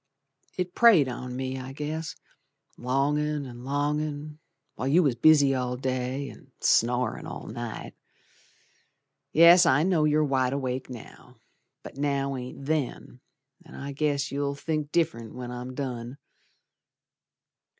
It preyed on me, I guess, Longin' and longin' While you was busy all day, and snorin' all night. Yes, I know you're wide awake now, But now ain't then, An' I guess you'll think diff'rent When I'm done.